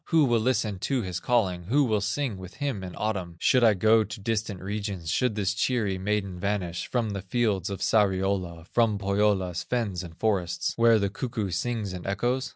Who will listen to his calling, Who will sing with him in autumn, Should I go to distant regions, Should this cheery maiden vanish From the fields of Sariola, From Pohyola's fens and forests, Where the cuckoo sings and echoes?